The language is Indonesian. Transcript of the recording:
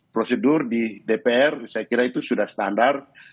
prosedur di dpr saya kira itu sudah standar